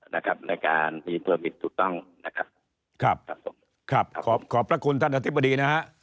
นะครับในการมีเวลาผิดถูกต้องนะครับครับครับขอบขอบพระคุณท่านอธิบดีนะฮะ